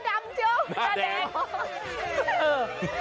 เค้าก็ฟาให้ดีหน่อยอยู่นะ